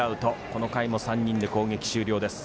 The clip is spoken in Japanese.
この回も３人で攻撃終了です。